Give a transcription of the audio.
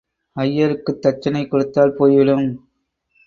ஐயருக்குத் தட்சணை கொடுத்தால் போய்விடும்.